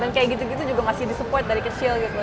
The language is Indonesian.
dan kayak gitu gitu juga masih di support dari kecil gitu